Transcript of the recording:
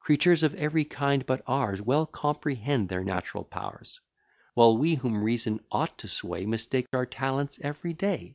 Creatures of every kind but ours Well comprehend their natural powers, While we, whom reason ought to sway, Mistake our talents every day.